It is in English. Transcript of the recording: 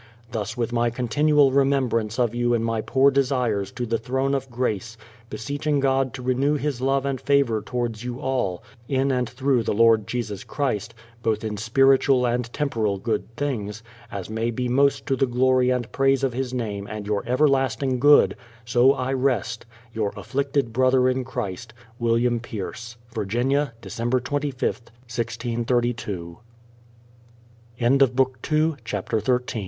... Thus with my continual remembrance of you in my poor desires to the Throne of Grace, beseeching God to renew His love and favour towards you all, in and through the Lord Jesus Christ, both in spiritual and temporal good things, as may be most to the glory and praise of His name and your ever lasting good, so I rest, Your afflicted brother in Christ, Virginia, Dec. ZSth, 1632. WILLIAM PIERCE. CHAPTER XIV Trouble about the accounts of the Partnership — R